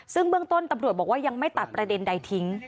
ซึ่งเบื้องต้นตำรวจบอกว่ายังไม่ตัดประเด็นใดทิ้ง